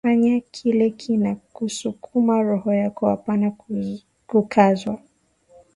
Fanya kile kina kusukuma roho yako apana kukazwa